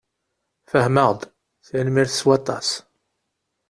Fehmeɣ-d. Tanemmirt s waṭas.